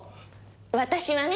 私はね。